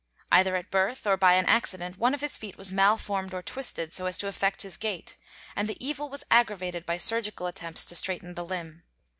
Either at birth or by an accident one of his feet was malformed or twisted so as to affect his gait, and the evil was aggravated by surgical attempts to straighten the limb.